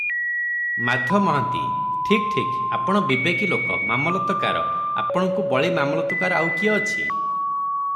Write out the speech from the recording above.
ମାଧ ମହାନ୍ତି- ଠିକ୍ ଠିକ୍, ଆପଣ ବିବେକୀ ଲୋକ, ମାମଲତକାର, ଆପଣଙ୍କୁ ବଳି ମାମଲତକାର ଆଉ କିଏ ଅଛି?